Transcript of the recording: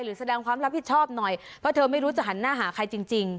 แสดงความรับผิดชอบหน่อยเพราะเธอไม่รู้จะหันหน้าหาใครจริง